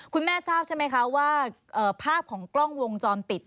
คุณแม่ทราบใช่ไหมคะว่าภาพของกล้องวงจรปิด